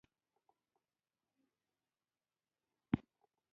نو له بلې خوا د چاپېریال او هوا پاکوالي لپاره مهم دي.